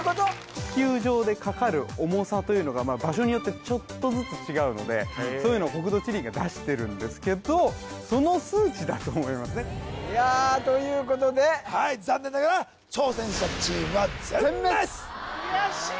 地球上でかかる重さというのが場所によってちょっとずつ違うのでそういうのを国土地理院が出してるんですけどその数値だと思いますねいやあということではい残念ながら・悔しいなあ